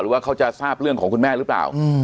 ว่าเขาจะทราบเรื่องของคุณแม่หรือเปล่า